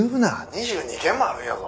「２２件もあるんやぞ」